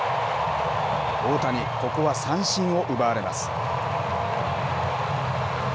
大谷、ここは三振を奪われます。